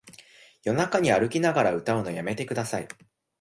夜中に歩きながら歌うのやめてください